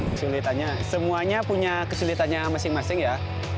kesulitannya semuanya punya kesulitannya masing masing ya